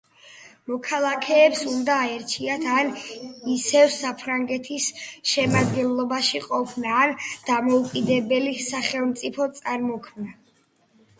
მოქალაქეებს უნდა აერჩიათ ან ისევ საფრანგეთის შემადგენლობაში ყოფნა ან დამოუკიდებელი სახელმწიფოს წარმოქმნა.